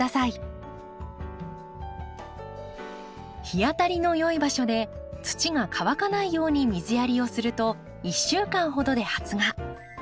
日当たりのよい場所で土が乾かないように水やりをすると１週間ほどで発芽。